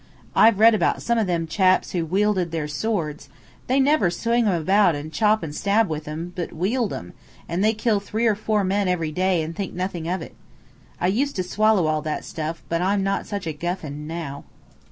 I've read about some of them chaps who wielded their swords they never swing 'em about and chop and stab with 'em, but wield 'em, and they kill three or four men every day and think nothing of it. I used to swallow all that stuff, but I'm not such a guffin now."